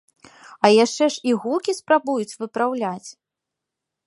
А яшчэ ж і гукі спрабуюць выпраўляць!